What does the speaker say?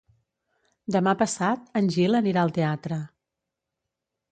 Demà passat en Gil anirà al teatre.